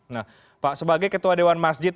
nah pak sebagai ketua dewan masjid